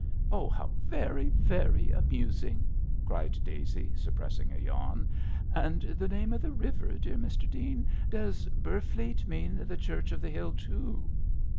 'Oh, how very, very amusing,' cried Daisy, suppressing a yawn. 'And the name of the river, dear Mr Dean? Does Beorflete mean the church of the hill too?'